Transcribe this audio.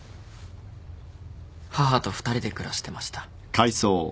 母と２人で暮らしてました。